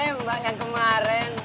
eh bang yang kemarin